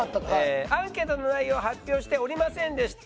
アンケートの内容を発表しておりませんでした。